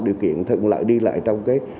điều kiện thận lợi đi lại trong cái